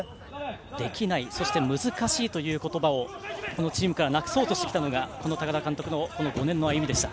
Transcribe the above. できない、難しいという言葉をこのチームからなくそうとしてきたのが高田監督の５年の歩みでした。